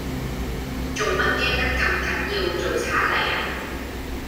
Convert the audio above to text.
做乜驚得咁緊要，做贼嚟呀？